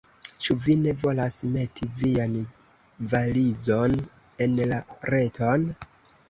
Ĉu vi ne volas meti vian valizon en la reton?